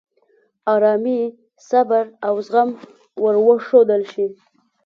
آرامي، صبر، او زغم ور وښودل شي.